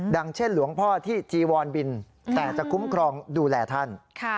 เช่นหลวงพ่อที่จีวอนบินแต่จะคุ้มครองดูแลท่าน